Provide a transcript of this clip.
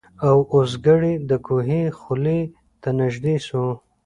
یو اوزګړی د کوهي خولې ته نیژدې سو